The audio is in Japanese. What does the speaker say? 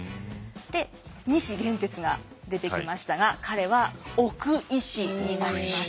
で西玄哲が出てきましたが彼は奥医師になります。